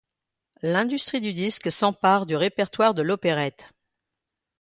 L'industrie du disque s'empare du répertoire de l'opérette.